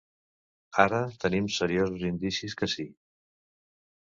Ara tenim seriosos indicis que sí.